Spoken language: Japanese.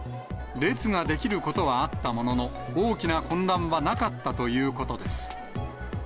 列が出来ることはあったものの、大きな混乱はなかったということです。